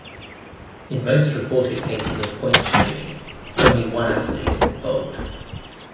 In most reported cases of point shaving, only one athlete is involved.